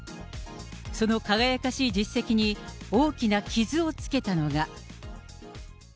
その輝かしい実績に大きな傷をつけたのが。